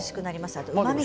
あと、うまみが。